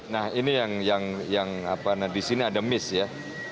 nah ini yang disini ada miss ya